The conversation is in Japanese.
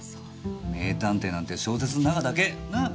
名探偵なんて小説の中だけ。なぁ？